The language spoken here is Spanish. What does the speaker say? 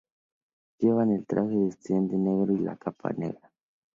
Llevan el traje de estudiante negro y la capa negra.